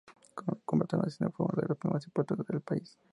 Con cobertura nacional, fue una de la más importantes del país.